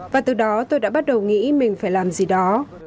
và từ đó tôi đã bắt đầu nghĩ mình phải làm gì đó